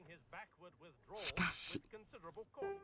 しかし。